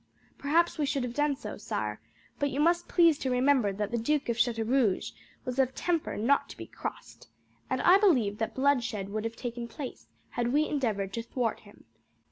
"Perhaps we should have done so, sire; but you must please to remember that the Duke of Chateaurouge was of a temper not to be crossed, and I believe that bloodshed would have taken place had we endeavoured to thwart him.